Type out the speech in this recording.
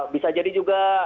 bisa jadi juga